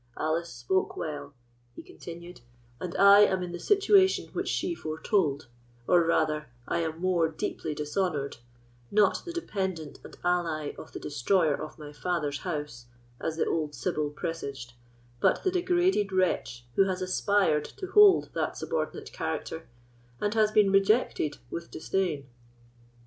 Alice spoke well," he continued, "and I am in the situation which she foretold; or rather, I am more deeply dishonoured—not the dependant and ally of the destroyer of my father's house, as the old sibyl presaged, but the degraded wretch who has aspired to hold that subordinate character, and has been rejected with disdain."